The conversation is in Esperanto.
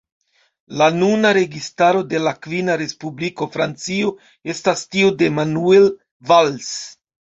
La nuna registaro de la kvina Respubliko Francio estas tiu de Manuel Valls.